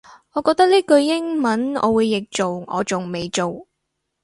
我覺得呢句英文我會譯做我仲未做